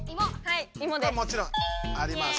これもちろんあります。